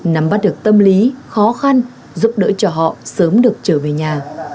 nắm bắt được tâm lý khó khăn giúp đỡ cho họ sớm được trở về nhà